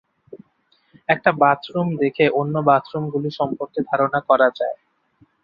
একটা বাথরুম দেখে অন্য বাথরুমগুলি সম্পর্কে ধারণা করা যায়।